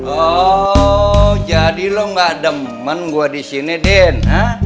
oh jadi lo nggak demen gua di sini din